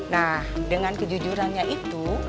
nah dengan kejujurannya itu